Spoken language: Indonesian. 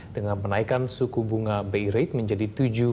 dengan menaikkan suku bunga bi rate menjadi tujuh tujuh puluh lima